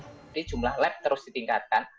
jadi jumlah lab terus ditingkatkan